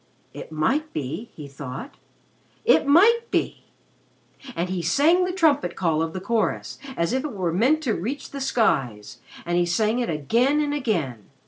"It might be," he thought. "It might be!" And he sang the trumpet call of the chorus as if it were meant to reach the skies, and he sang it again and again.